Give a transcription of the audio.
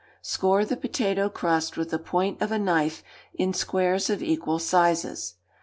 Score the potato crust with the point of a knife in squares of equal sizes.